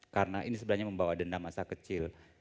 karena ini sebenarnya membawa dendam masa kecil